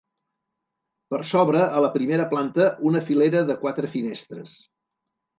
Per sobre, a la primera planta, una filera de quatre finestres.